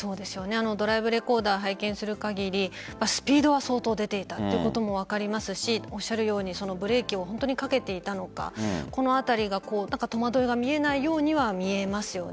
ドライブレコーダー拝見するかぎりスピードは相当出ていたということも分かりますしおっしゃるようにブレーキをかけていたのかこのあたりが戸惑いが見えないようには見えますよね。